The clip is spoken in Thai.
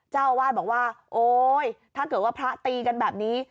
เจ้าอาวาสบอกว่าโอ๊ยถ้าเกิดว่าพระตีกันแบบนี้